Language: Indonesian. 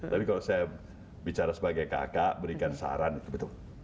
tapi kalau saya bicara sebagai kakak berikan saran itu betul